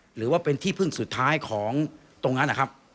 หรือว่าเป็นที่พึ่งสุดท้ายของตรงนั้นนะครับ